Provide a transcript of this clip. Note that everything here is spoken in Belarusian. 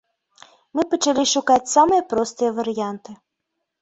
Мы пачалі шукаць самыя простыя варыянты.